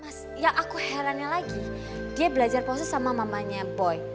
mas yang aku herannya lagi dia belajar pose sama mamanya boy